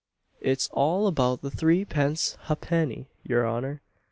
it's all about the threepence ha'penny, your honour.